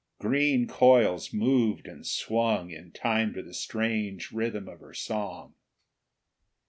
Green coils moved and swung in time to the strange rhythm of her song.